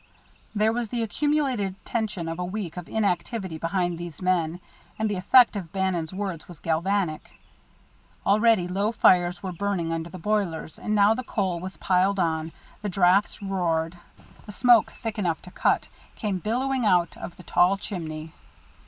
There was the accumulated tension of a week of inactivity behind these men, and the effect of Bannon's words was galvanic. Already low fires were burning under the boilers, and now the coal was piled on, the draughts roared, the smoke, thick enough to cut, came billowing out of the tall chimney.